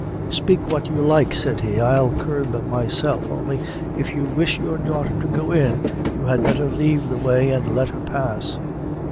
"Speak what you like," said he "I'll curb myself. Only, if you wish your daughter to go in, you had better leave the way and let her pass."